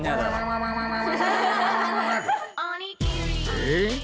えっ？